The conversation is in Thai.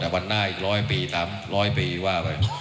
ทั้งวันหน้า๑๐๐ปีตาม๑๐๐ปีว่าไป